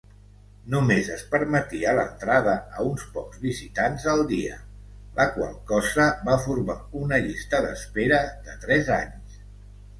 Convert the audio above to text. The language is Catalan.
Només es permetia l'entrada a uns pocs visitants al dia, la qual cosa va formar una llista d'espera de tres anys.